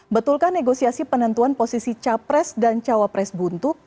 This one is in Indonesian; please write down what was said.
betulkah negosiasi penentuan posisi capres dan cawapres buntuk